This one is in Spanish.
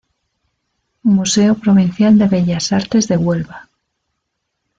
Museo Provincial de Bellas Artes de Huelva.